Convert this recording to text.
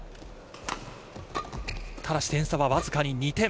ただし点差はわずかに２点。